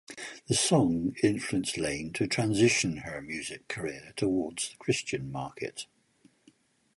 The song influenced Lane to transition her music career towards the Christian market.